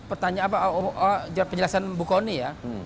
pertanyaan apa penjelasan bu kony ya